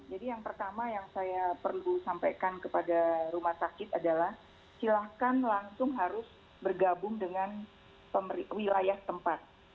yang pertama yang saya perlu sampaikan kepada rumah sakit adalah silahkan langsung harus bergabung dengan wilayah tempat